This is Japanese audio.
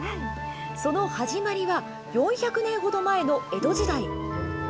その始まりは、４００年ほど前の江戸時代。